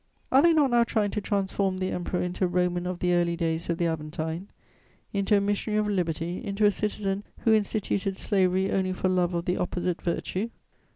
Are they not now trying to transform the Emperor into a Roman of the early days of the Aventine, into a missionary of liberty, into a citizen who instituted slavery only for love of the opposite virtue?